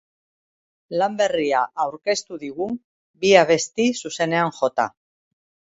Lan berria aurkeztu digu, bi abesti zuzenean jota.